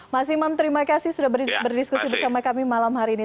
mas imam terima kasih sudah berdiskusi bersama kami malam hari ini